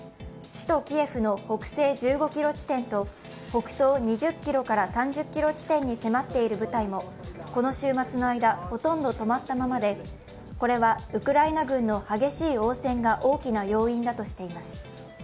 首都キエフの北西１５ｋｍ地点と北東２０ｋｍから３０ｋｍ地点に迫っている部隊もこの週末の間、ほとんど止まったままでこれはウクライナ軍の激しい応戦が大きな要因だとしています。